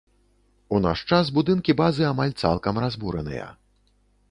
У наш час будынкі базы амаль цалкам разбураныя.